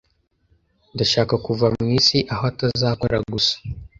Ndashaka kuva mu isi aho atazakora gusa